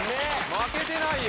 負けてないよ